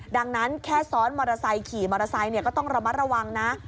ดังนั้นแค่ซ้อนมอเตอร์ไซค์ขี่มอเตอร์ไซค์ก็ต้องระมัดระวังนะ